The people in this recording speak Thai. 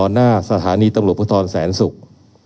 หน้าสถานีตำรวจคุณตอนภาคแสนศุกร์